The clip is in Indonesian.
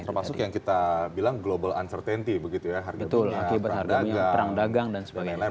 termasuk yang kita bilang global uncertainty begitu ya harga punya perdagang dan lain lain